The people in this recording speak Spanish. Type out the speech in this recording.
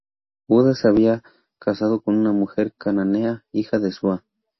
Judá se había casado con una mujer cananea, hija de Súa.